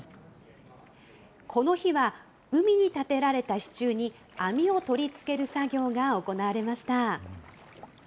この日は、海に立てられた支柱に、網を取り付ける作業が行われました。